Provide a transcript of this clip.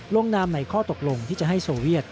ลงนามในข้อตกลงที่จะให้โซเวียต